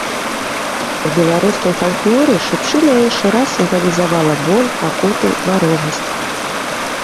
У беларускім фальклоры шыпшына іншы раз сімвалізавала боль, пакуты, варожасць.